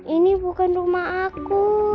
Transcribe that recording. ini bukan rumah aku